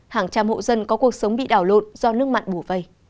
hàng trăm hộ dân có cuộc sống bị đảo lộn do nước mặn bủ vầy